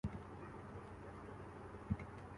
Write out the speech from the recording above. تو پھر اسے سب سے پہلے معاشرے کی تربیت کرنی چاہیے۔